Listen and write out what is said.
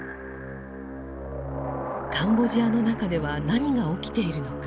カンボジアの中では何が起きているのか。